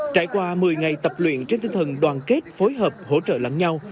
trải qua một mươi ngày tập luyện trên tinh thần đoàn kết phối hợp hỗ trợ lẫn nhau